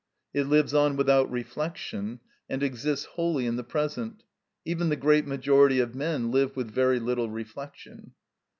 It lives on without reflection, and exists wholly in the present; even the great majority of men live with very little reflection.